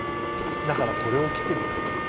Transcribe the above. だからこれをきってみたいとおもう。